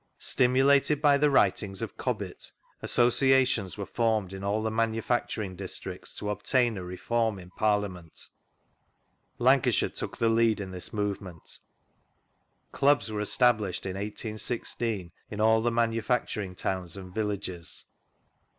Stimulated by the writings of Cobbett, associations were formed in all the manufacturing districts to obtain a reform in Parliament. Lanca shire took the lead in this movement. Clubs were established in 1 816 in all the manufacturing towns and villages.